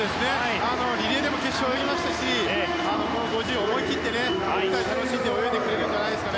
リレーでも決勝を泳ぎましたしこの５０ｍも思い切って楽しんで泳いでくれるんじゃないですか。